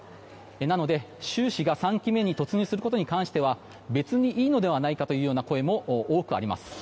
なので習氏が３期目に突入することに関しては別にいいのではないかというような声も多くあります。